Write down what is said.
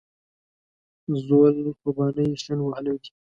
زول خوبانۍ شڼ وهلي دي